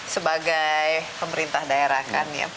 sebagai pemerintah daerah kan